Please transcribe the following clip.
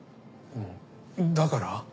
うんだから？